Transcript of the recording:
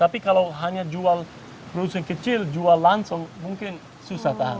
tapi kalau hanya jual produsen kecil jual langsung mungkin susah tahan